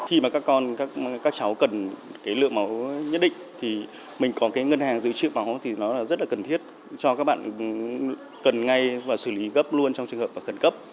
khi mà các con các cháu cần cái lượng máu nhất định thì mình có cái ngân hàng dự trữ máu thì nó là rất là cần thiết cho các bạn cần ngay và xử lý gấp luôn trong trường hợp khẩn cấp